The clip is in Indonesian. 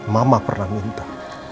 mama pernah minta